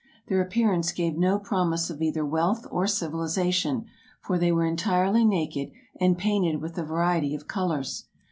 Their appearance gave no prom ise of either wealth or civilization, for they were entirely naked, and painted with a variety of colors.